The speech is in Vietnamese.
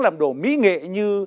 làm đồ mỹ nghệ như